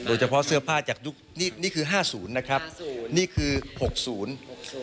โดยเฉพาะเสื้อผ้าจากยุคนี่นี่คือห้าศูนย์นะครับศูนย์นี่คือหกศูนย์